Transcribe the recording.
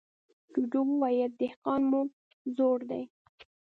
جوجو وويل: دهقان مو زوړ دی.